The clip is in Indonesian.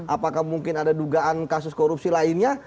apakah mungkin ada dugaan kasus korupsi lainnya